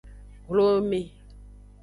Hlome.